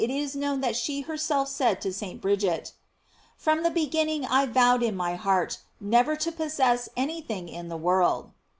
is known that she herself said to St. Bridget: "From the beginning I vowed in my heart never to possess any thing in the world."